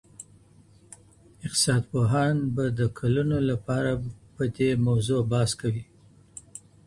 اقتصاد پوهان به د کلونو لپاره پدې موضوع بحث کوي.